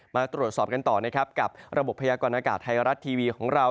มาตรวจสอบกันต่อนะครับกับระบบพยากรณากาศไทยรัฐทีวีของเรา